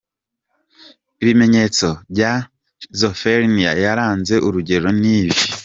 Ibimenyetso bya schizophrenia yarenze urugero ni ibi:.